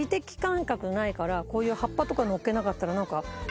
からこういう葉っぱとかのっけなかったら。